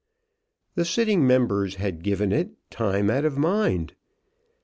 The sitting members had given it time out of mind.